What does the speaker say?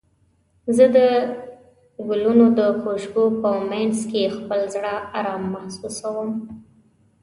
زه د ګلونو د خوشبو په مینځ کې خپل زړه ارام محسوسوم.